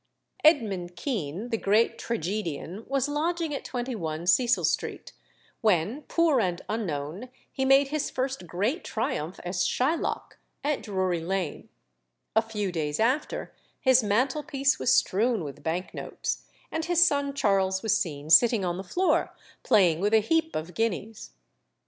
Edmund Kean, the great tragedian, was lodging at 21 Cecil Street when, poor and unknown, he made his first great triumph as Shylock, at Drury Lane; a few days after, his mantelpiece was strewn with bank notes, and his son Charles was seen sitting on the floor playing with a heap of guineas.